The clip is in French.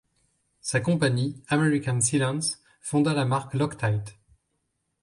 Sa compagnie, American Sealants, fonda la marque Loctite.